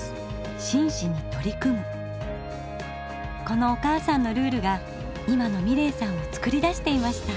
このお母さんのルールが今の美礼さんを作り出していました。